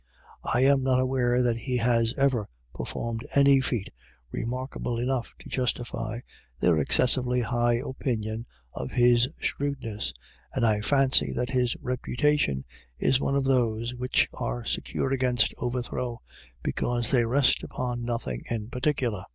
I am not aware that he has 104 IRISH ID YLLS. ever performed any feat remarkable enough to justify their excessively high opinion of his shrewdness, and I fancy that his reputation is one of those which are secure against overthrow because they rest upon nothing in particular.